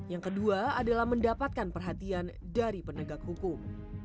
yang kedua adalah mendapatkan perhatian dari penegak hukum